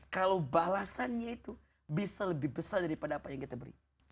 kalau balasannya itu bisa lebih besar daripada apa yang kita beri